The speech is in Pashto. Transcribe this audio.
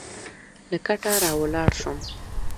له کټه راولاړ شوم.